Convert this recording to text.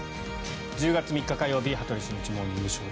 １０月３日、火曜日「羽鳥慎一モーニングショー」。